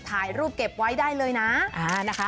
ถ่ายรูปเก็บไว้ได้เลยนะนะคะ